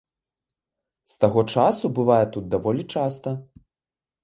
З таго часу бывае тут даволі часта.